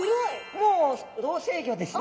もう老成魚ですね。